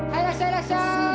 いらっしゃい！